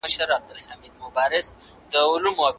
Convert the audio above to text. ولي د موجوده نعمتونو قدر کول رواني خوښي راوړي؟